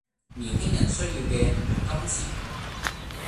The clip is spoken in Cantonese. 年輕人需要嘅唔係金錢